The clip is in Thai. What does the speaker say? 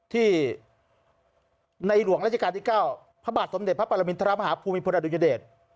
ที่ในหลวงราชการที่๙พระบาทสมเด็จพระปรมินทรมาฮภูมิพลอดุญเดช